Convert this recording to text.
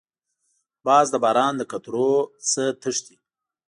باز د باران له قطرو نه تښتي